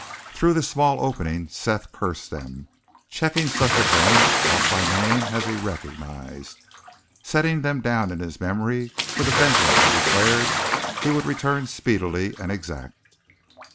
Through this small opening Seth cursed them, checking such of them off by name as he recognized, setting them down in his memory for the vengeance he declared he would return speedily and exact.